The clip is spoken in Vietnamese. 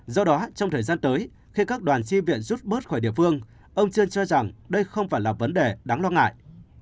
do đó trong thời gian tới khi các đoàn chi viện rút bớt khỏi địa phương ông trân cho rằng đây không phải là vấn đề đáng lo ngại